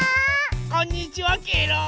こんにちはケロー！